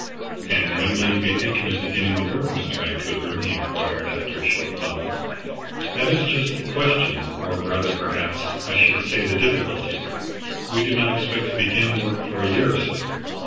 "And when will you be thinking of beginning the work, Mr. Vancouver?" he inquired, after a short pause. "That is just the question, or rather, perhaps, I should say the difficulty. We do not expect to begin work for a year or so."